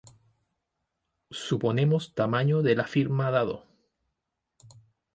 Suponemos tamaño de la firma dado.